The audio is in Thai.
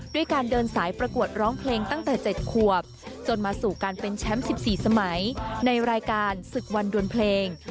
ด้วยการเดินสายประกวดร้องเพลงตั้งแต่๗ขวบจนมาสู่การเป็นแชมป์๑๔สมัยในรายการศึกวันดวนเพลง